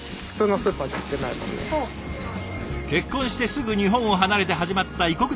結婚してすぐ日本を離れて始まった異国での生活。